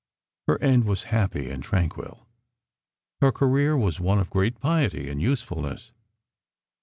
Her end was happy and tranquil. Her career was one of great piety and usefulness.